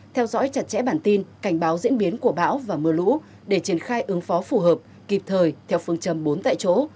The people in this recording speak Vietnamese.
theo dõi chặt chẽ bản tin cảnh báo diễn biến của bão và mưa lũ để triển khai ứng phó phù hợp kịp thời theo phương châm bốn tại chỗ